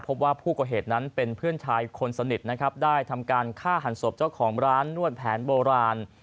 พบว่าผู้ก่อเหตุนั้นเป็นเพื่อนชายคนสนิทนะครับได้ทำการฆ่าหันศพเจ้าของร้านนวดแผนโบราณ